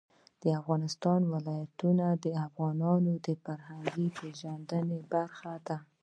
د افغانستان ولايتونه د افغانانو د فرهنګي پیژندنې برخه ده.